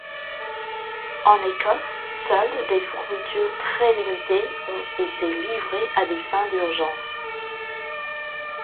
En Écosse seules des fournitures très limitées ont été livrées à des fins d’urgence.